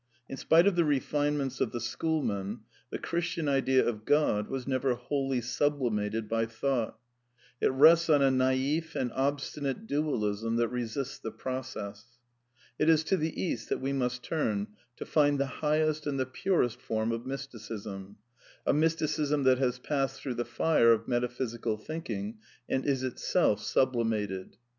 In spite of the refinements of ijj tho Schoolmen, the Christian idea of God was never whoHy^ J sublimated by thought It rests on a naif and obstinate /' dualism that resists the process. It is to the East that we must turn to find the highest and the purest form of Mysticism ; a Mysticism that has passed through the fire of metaphysical thinking, and is itself sub limated.